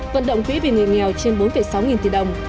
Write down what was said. vận động quỹ vì người nghèo trên bốn sáu nghìn tỷ đồng